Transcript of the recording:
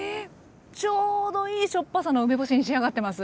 ちょうどいいしょっぱさの梅干しに仕上がってます。